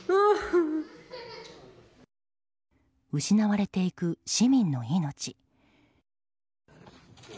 失われていく市民の命。